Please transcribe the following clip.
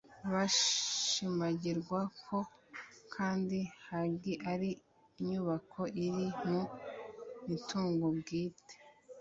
Bishimangirwa ko kandi Hagia ari inyubako iri mu mitungo bwite